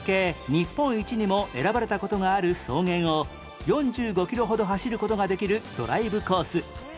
日本一にも選ばれた事がある草原を４５キロほど走る事ができるドライブコース